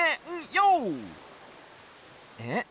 えっ？